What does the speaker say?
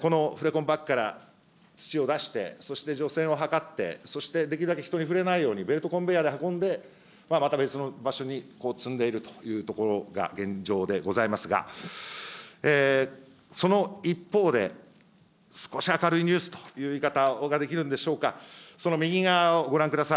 このフレコンバッグから土を出して、そして除染を図って、そしてできるだけ人に触れないようにベルトコンベアで運んで、また別の場所に積んでいるというところが現状でございますが、その一方で、少し明るいニュースという言い方ができるんでしょうか、その右側をご覧ください。